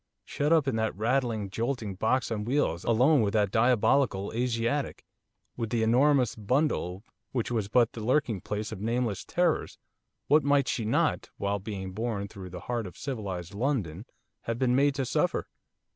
shut up in that rattling, jolting box on wheels, alone with that diabolical Asiatic, with the enormous bundle, which was but the lurking place of nameless terrors, what might she not, while being borne through the heart of civilised London, have been made to suffer?